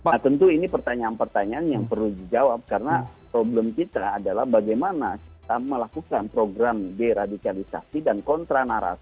nah tentu ini pertanyaan pertanyaan yang perlu dijawab karena problem kita adalah bagaimana kita melakukan program deradikalisasi dan kontra narasi